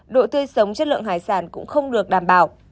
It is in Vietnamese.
độ tươi sống chất lượng hải sản cũng không được đảm bảo